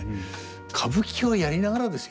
歌舞伎をやりながらですよ。